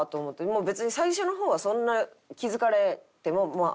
もう別に最初の方はそんな気付かれてもああ